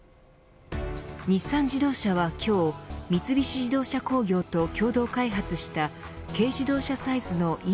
日産自動車は今日三菱自動車工業と共同開発した軽自動車サイズのＥＶ